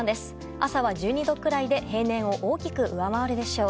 朝は１２度くらいで平年を大きく上回るでしょう。